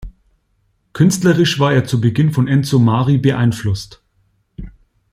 Künstlerisch war er zu Beginn von Enzo Mari beeinflusst.